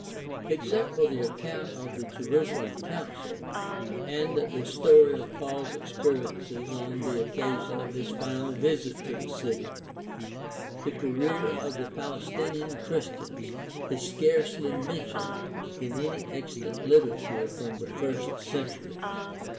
Except for the account of the Jerusalem council, and the story of Paul's experiences on the occasion of his final visit to the city, the career of the Palestinian Christians is scarcely mentioned in any extant literature from the first century.